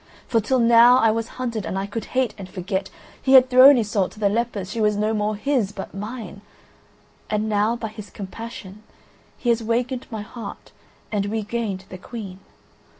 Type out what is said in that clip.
For till now I was hunted and I could hate and forget; he had thrown Iseult to the lepers, she was no more his, but mine; and now by his compassion he has wakened my heart and regained the Queen.